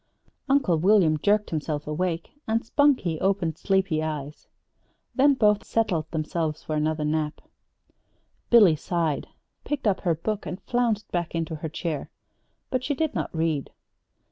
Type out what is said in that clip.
Uncle William jerked himself awake, and Spunkie opened sleepy eyes. Then both settled themselves for another nap. Billy sighed, picked up her book, and flounced back into her chair. But she did not read.